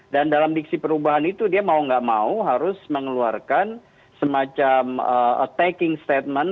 dan dalam diksi perubahan itu dia mau nggak mau harus mengeluarkan semacam attacking statement